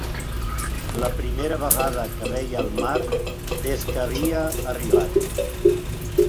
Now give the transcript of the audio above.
La primera vegada que veia el mar des que havia arribat